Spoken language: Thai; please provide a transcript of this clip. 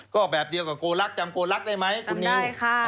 ก็แบบเดียวกับโกลักษ์จำโกลักษณ์ได้ไหมคุณนิว